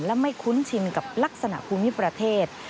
และไม่คุ้นชินกับลักษณะภูมิประเทศ